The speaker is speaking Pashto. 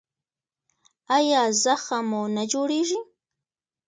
ایا زخم مو نه جوړیږي؟